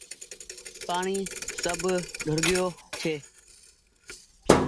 پآڻيٚ سب ڌوڙگيو ڇي